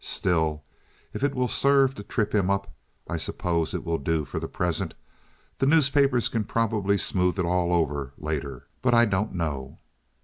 Still, if it will serve to trip him up I suppose it will do for the present. The newspapers can probably smooth it all over later. But I don't know."